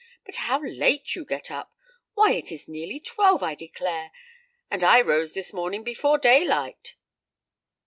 "But how late you get up. Why, it is near twelve, I declare; and I rose this morning before day light."